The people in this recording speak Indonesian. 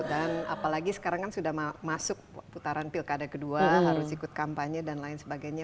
dan apalagi sekarang kan sudah masuk putaran pilkada kedua harus ikut kampanye dan lain sebagainya